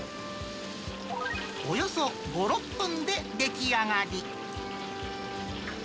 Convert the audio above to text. およそ５、６分で出来上がり。